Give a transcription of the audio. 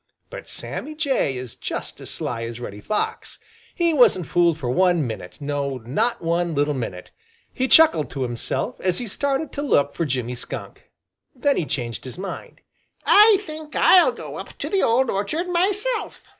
But Sammy Jay is just as sly as Reddy Fox. He wasn't fooled for one minute, not one little minute. He chuckled to himself as he started to look for Jimmy Skunk. Then he changed his mind. "I think I'll go up to the old orchard myself!"